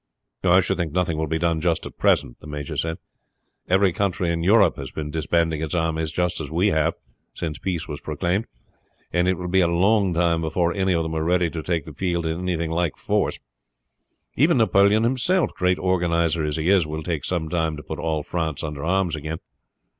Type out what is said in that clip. "I should think nothing will be done just at present," the major said. "Every country in Europe has been disbanding its armies just as we have since peace was proclaimed, and it will be a long time before any of them are ready to take the field in anything like force. Even Napoleon himself, great organizer as he is, will take some time to put all France under arms again.